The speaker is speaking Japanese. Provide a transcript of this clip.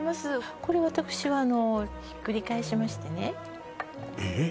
これ私はひっくり返しましてねええ？